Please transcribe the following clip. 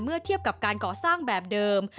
เทียบกับการก่อสร้างแบบเดิม